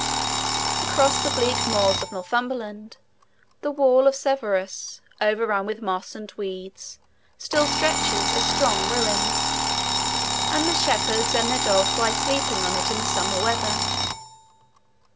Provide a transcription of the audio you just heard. Across the bleak moors of Northumberland, the wall of Severus, overrun with moss and weeds, still stretches, a strong ruin; and the shepherds and their dogs lie sleeping on it in the summer weather.